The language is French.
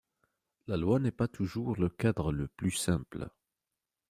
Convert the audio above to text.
La loi n’est pas toujours le cadre le plus simple.